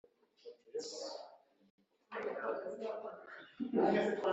nta nama nakugira.